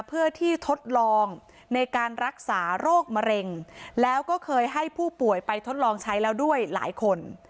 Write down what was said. เพื่อที่ทดลองในการรักษาโรคมะเร็งแล้วก็เคยให้ผู้ป่วยไปทดลองใช้แล้วด้วยหลายคน